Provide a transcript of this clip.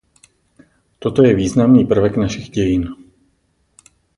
Toto je významný prvek našich dějin.